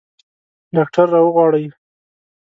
ډاکټر راوغواړئ